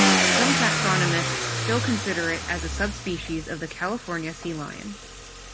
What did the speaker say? Some taxonomists still consider it as a subspecies of the California sea lion.